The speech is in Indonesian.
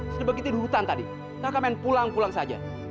sedih begitu di hutan tadi kakak main pulang pulang saja